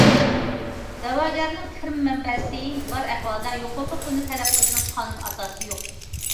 دەۋاگەرنىڭ كىرىم مەنبەسى بار ئەھۋالدا يۇقىرىقى پۇلنى تەلەپ قىلىشىنىڭ قانۇن ئاساسى يوق.